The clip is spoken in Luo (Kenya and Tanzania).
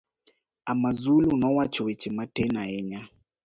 Amazulu nowacho weche matin ahinya.